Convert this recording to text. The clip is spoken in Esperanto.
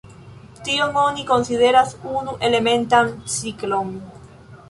Tion oni konsideras unu-elementan ciklon.